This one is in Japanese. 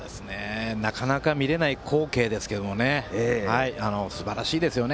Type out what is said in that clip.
なかなか見られない光景ですがすばらしいですよね。